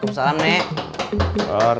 terhisa esganya shezan yang ingat oh